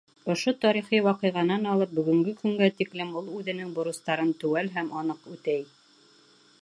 Ошо тарихи ваҡиғанан алып бөгөнгө көнгә тиклем ул үҙенең бурыстарын теүәл һәм аныҡ үтәй.